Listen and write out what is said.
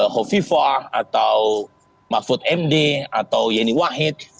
hovifah atau mahfud md atau yeni wahid